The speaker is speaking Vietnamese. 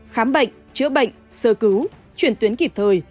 khám bệnh chữa bệnh sơ cứu chuyển tuyến kịp thời